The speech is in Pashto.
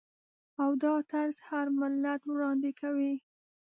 او دا طرز هر ملت وړاندې کوي.